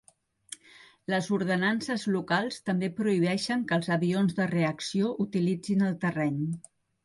Les ordenances locals també prohibeixen que els avions de reacció utilitzin el terreny.